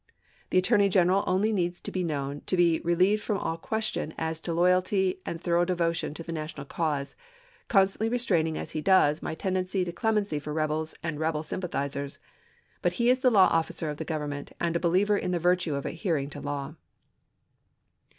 The chap. xix. Attorney General only needs to be known to be relieved from all question as to loyalty and thorough devotion to the National cause ; constantly restraining as he does my tendency to clemency for rebels and rebel sympathizers. But he is the law officer of the Government, and a believer in the virtue of adhering to law.